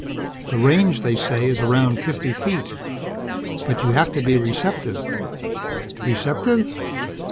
The range, they say, is around fifty feet. But you have to be receptive " "Receptive?"